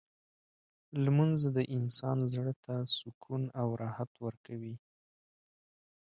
لمونځ د انسان زړه ته سکون او راحت ورکوي.